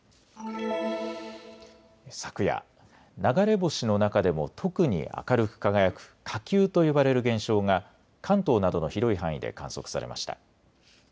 昨夜、流れ星の中でも特に明るく輝く火球と呼ばれる現象が関東などの広い範囲で観測されました。